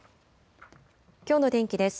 きょうの天気です。